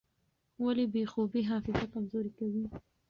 ولې بې خوبي حافظه کمزورې کوي؟